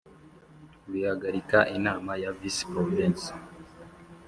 bihagarika inama ya Visi Porovensi